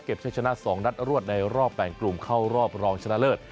เก็บเช่นชนะสองนัดอรวดในรอบแปลงกลุ่มเข้ารอบรองชนะเลิศ